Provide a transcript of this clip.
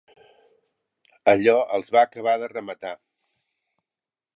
Allò els va acabar de rematar.